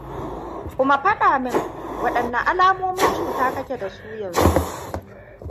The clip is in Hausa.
kuma faɗa min waɗanne alamomin cuta ka ke da su yanzu?